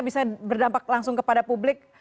bisa berdampak langsung kepada publik